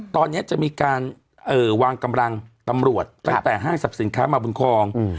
ตอนเนี้ยจะมีการเอ่อวางกำลังตำรวจครับตั้งแต่ห้างสับสินค้ามาบุญคลองอืม